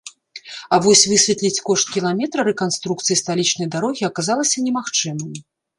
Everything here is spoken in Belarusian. А вось высветліць кошт кіламетра рэканструкцыі сталічнай дарогі аказалася немагчымым.